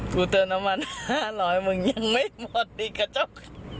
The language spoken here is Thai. กูเติมน้ำมัน๕๐๐มึงยังไม่หมดอีกกระจก